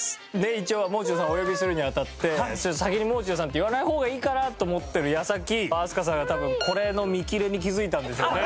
一応もう中さんをお呼びするにあたって先にもう中さんって言わない方がいいかなと思ってる矢先飛鳥さんが多分これの見切れに気づいたんでしょうね。